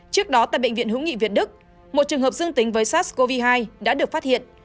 trước đó tại bệnh viện hữu nghị việt đức một trường hợp dương tính với sars cov hai đã được phát hiện